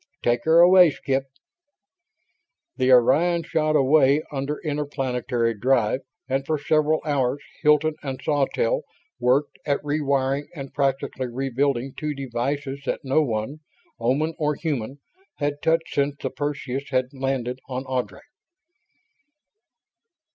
Take her away, Skip." The Orion shot away under interplanetary drive and for several hours Hilton and Sawtelle worked at re wiring and practically rebuilding two devices that no one, Oman or human, had touched since the Perseus had landed on Ardry.